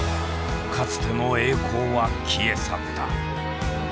かつての栄光は消え去った。